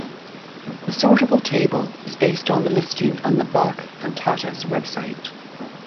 The sortable table is based on the listing on the Bach Cantatas website.